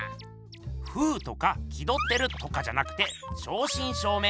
「風」とか「気どってる」とかじゃなくて正しん正めい